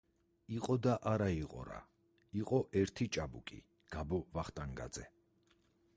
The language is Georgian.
იყო და არა იყო რა იყო ერთი ჭაბუკი გაბო ვახტანგაძე